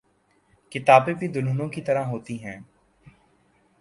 کتابیں بھی دلہنوں کی طرح ہوتی ہیں۔